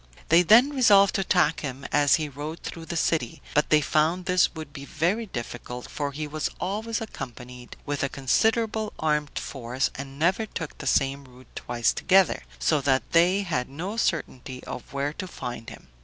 They then resolved to attack him as he rode through the city; but they found this would be very difficult; for he was always accompanied with a considerable armed force, and never took the same road twice together, so that they had no certainty of where to find him.